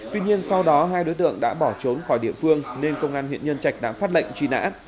tuy nhiên sau đó hai đối tượng đã bỏ trốn khỏi địa phương nên công an huyện nhân trạch đã phát lệnh truy nã